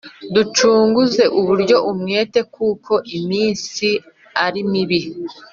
Ducunguze uburyo umwete kuko iminsi ari mibi